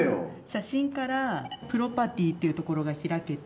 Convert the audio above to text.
写真からプロパティっていうところが開けて